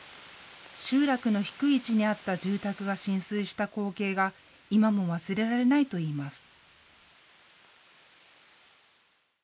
集落の低い位置にあった住宅が浸水した光景が今も忘れられないといいます。